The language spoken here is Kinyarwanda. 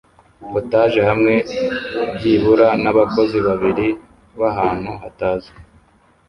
POTAGE hamwe byibura nabakozi babiri ahantu hatazwi